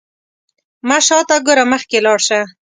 مه شاته ګوره، مخکې لاړ شه.